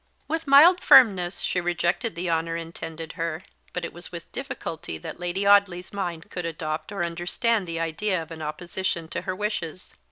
With mild firmness she rejected the honour intended her; but it was with difficulty that Lady Audley's mind could adopt or understand the idea of an opposition to her wishes.